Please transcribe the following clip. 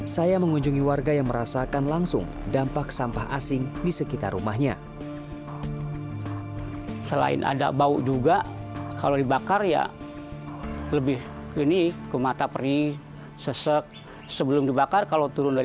saya mengunjungi warga yang merasakan langsung dampak sampah asing di sekitar rumahnya